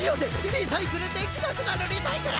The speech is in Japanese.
リサイクルできなくなるリサイクル！